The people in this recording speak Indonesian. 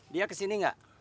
dia kesini enggak